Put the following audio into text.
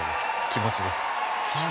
気持ちです。